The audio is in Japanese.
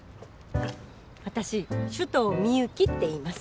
あっ私首藤ミユキっていいます。